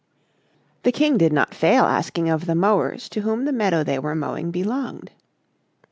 The King did not fail asking of the mowers, to whom the meadow they were mowing belonged.